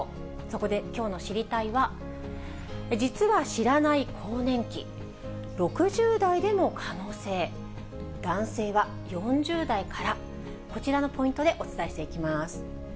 そこで、きょうの知りたいッ！は、実は知らない更年期、６０代でも可能性、男性は４０代から、こちらのポイントでお伝えしていきます。